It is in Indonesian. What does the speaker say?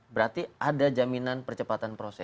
berarti ada jaminan percepatan proses